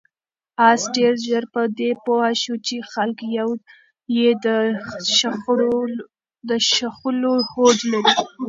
آس ډېر ژر په دې پوه شو چې خلک یې د ښخولو هوډ لري.